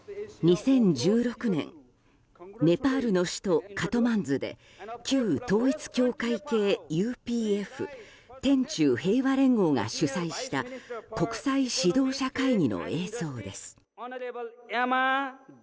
２０１６年ネパールの首都カトマンズで旧統一教会系ＵＰＦ・天宙平和連合が主催した国際指導者会議の映像です。